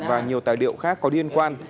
và nhiều tài liệu khác có liên quan